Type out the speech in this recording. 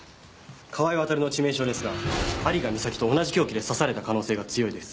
川井渉の致命傷ですが有賀美咲と同じ凶器で刺された可能性が強いです。